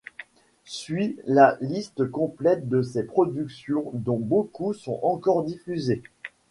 Suit la liste complète de ces productions dont beaucoup sont encore diffusées.